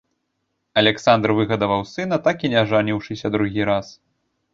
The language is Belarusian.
Аляксандр выгадаваў сына, так і не ажаніўшыся другі раз.